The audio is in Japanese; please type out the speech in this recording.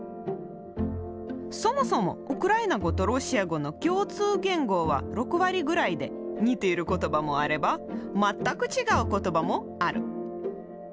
そもそもウクライナ語とロシア語の共通言語は６割ぐらいで似ている言葉もあれば全く違う言葉もある。